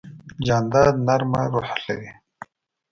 جانداد د نرمه روح لري.